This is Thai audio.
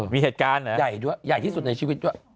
มีเหตุการณ์ใหญ่ด้วยใหญ่ที่สุดในชีวิตด้วย